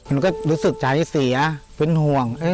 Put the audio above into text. ผมก็รู้สึกจ่ายเสียเป็นห่วง